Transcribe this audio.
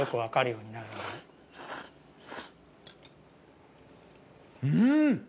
うん！